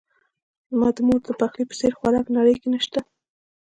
زما د مور دپخلی په څیر خوراک نړۍ کې نه شته